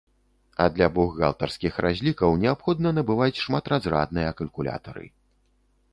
А для бухгалтарскіх разлікаў неабходна набываць шматразрадныя калькулятары.